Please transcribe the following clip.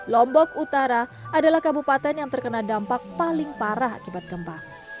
lombok utara adalah kabupaten yang terkena dampak paling parah akibat gempa